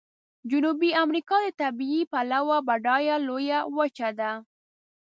جنوبي امریکا د طبیعي پلوه بډایه لویه وچه ده.